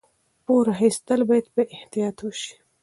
پور اخیستل باید په احتیاط وشي.